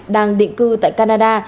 đang định cư tại canada